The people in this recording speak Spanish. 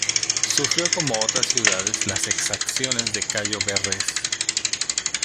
Sufrió como otras ciudades las exacciones de Cayo Verres.